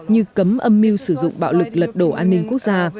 như cấm âm mưu sử dụng bạo lực lật đổ an ninh quốc gia